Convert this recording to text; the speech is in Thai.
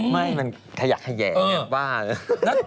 ไม่มันขยะแขยะเนี่ยบ้าเลย